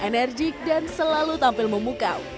enerjik dan selalu tampil memukau